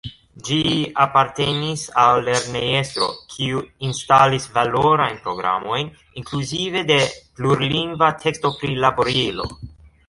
Ĝi apartenis al lernejestro, kiu instalis valorajn programojn, inkluzive de plurlingva tekstoprilaborilo.